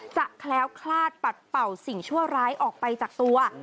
แคล้วคลาดปัดเป่าสิ่งชั่วร้ายออกไปจากตัว